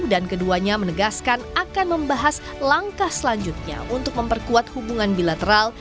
dan keduanya menegaskan akan membahas langkah selanjutnya untuk memperkuat hubungan bilateral